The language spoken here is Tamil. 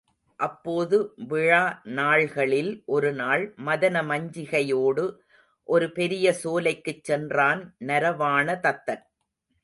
அப்போது விழா நாள்களில் ஒருநாள், மதன மஞ்சிகையோடு ஒரு பெரிய சோலைக்குச் சென்றான் நரவாண தத்தன்.